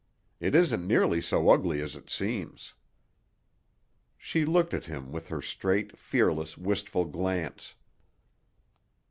"It isn't nearly so ugly as it seems." She looked at him with her straight, fearless, wistful glance.